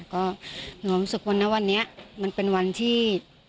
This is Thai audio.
ก็มีความรู้สึกว่าณวันนี้มันเป็นวันที่